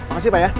makasih pak ya